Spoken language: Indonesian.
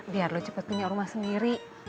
biar lo cepat punya rumah sendiri